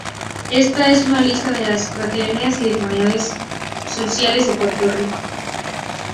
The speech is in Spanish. Esta es una lista de las fraternidades y hermandades sociales de Puerto Rico.